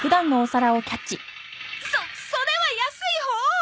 そそれは安いほう！